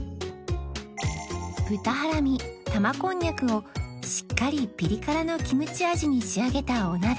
豚ハラミ玉こんにゃくをしっかりピリ辛のキムチ味に仕上げたお鍋